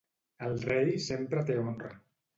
El rei sempre té honra.